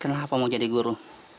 kenapa mau jadi guru